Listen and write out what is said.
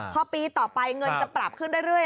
พอปีต่อไปเงินจะปรับขึ้นเรื่อย